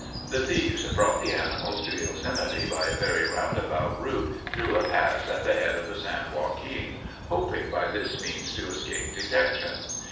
The thieves brought the animals to Yosemite by a very roundabout route through a pass at the head of the San Joaquin, hoping by this means to escape detection.